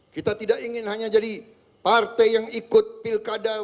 kita tidak ingin hanya jadi partai yang ikut pilkada